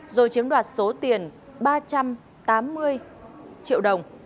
rồi chiếm đoạt số tiền ba trăm tám mươi triệu đồng